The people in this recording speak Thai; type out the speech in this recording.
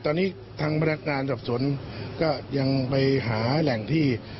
ตอนนี้ทางบรรยาการตรับสนก็ยังไปหาแหล่งที่